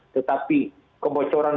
tetapi kebocoran rumah sakit kita bangun